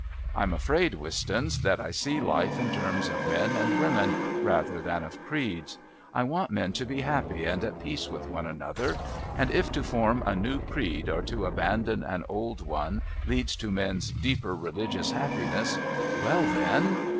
I'm afraid, Wistons, that I see life in terms of men and women rather than of creeds. I want men to be happy and at peace with one another. And if to form a new creed or to abandon an old one leads to men's deeper religious happiness, well, then...."